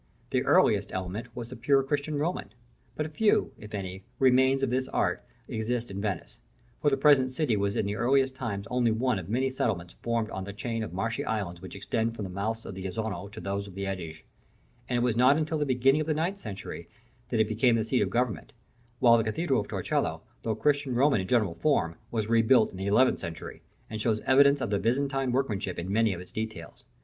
The earliest element was the pure Christian Roman; but few, if any, remains of this art exist at Venice; for the present city was in the earliest times only one of many settlements formed on the chain of marshy islands which extend from the mouths of the Isonzo to those of the Adige, and it was not until the beginning of the ninth century that it became the seat of government; while the cathedral of Torcello, though Christian Roman in general form, was rebuilt in the eleventh century, and shows evidence of Byzantine workmanship in many of its details.